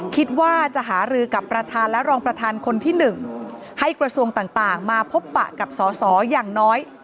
คิดว่าจะหารือกับประธานและรองประธานคนที่๑ให้กระทรวงต่างมาพบปะกับสอสออย่างน้อย